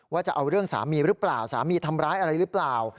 จะเอาเรื่องสามีหรือเปล่าสามีทำร้ายอะไรหรือเปล่า